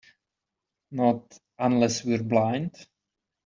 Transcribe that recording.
Not unless we're blind.